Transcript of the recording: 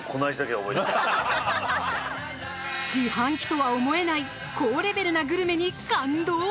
自販機とは思えない高レベルなグルメに感動。